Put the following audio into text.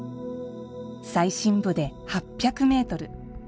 最深部で８００メートル。